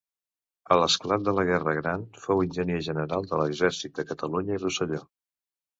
A l'esclat de la Guerra Gran, fou enginyer general de l'exèrcit de Catalunya i Rosselló.